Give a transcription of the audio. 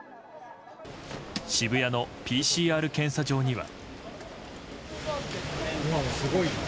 渋谷のＰＣＲ検査場には。